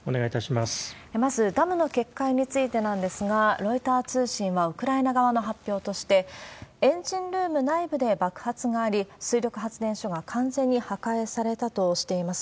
まず、ダムの決壊についてなんですが、ロイター通信はウクライナ側の発表として、エンジンルーム内部で爆発があり、水力発電所が完全に破壊されたとしています。